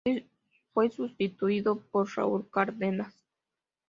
Fue sustituido por Raúl Cárdenas.